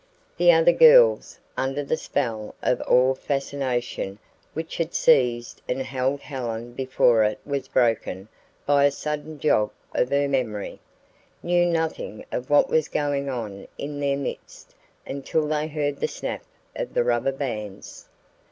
The other girls, under the spell of awe fascination which had seized and held Helen before it was broken by a sudden jog of her memory, knew nothing of what was going on in their midst until they heard the snap of the rubber bands.